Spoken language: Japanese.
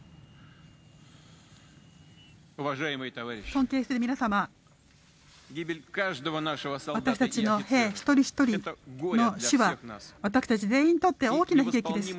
尊敬する皆様私たちの兵一人ひとりの死は私たち全員にとって大きな悲劇です。